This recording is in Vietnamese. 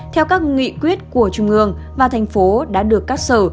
theo các nghị quyết của trung ương và thành phố đã được các sở